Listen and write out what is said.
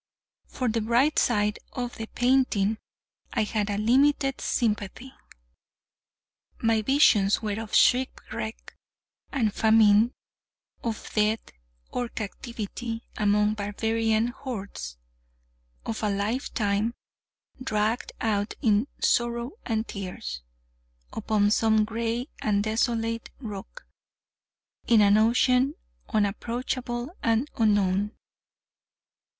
For the bright side of the painting I had a limited sympathy. My visions were of shipwreck and famine; of death or captivity among barbarian hordes; of a lifetime dragged out in sorrow and tears, upon some gray and desolate rock, in an ocean unapproachable and unknown.